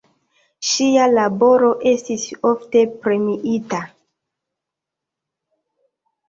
Ŝia laboro estis ofte premiita.